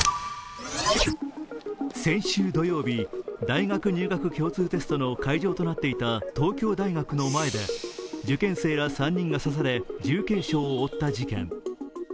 先週土曜日、大学入学共通テストの会場となっていた東京大学の前で受験生ら３人が刺され重軽傷を負った事件。